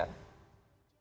saat acara book fair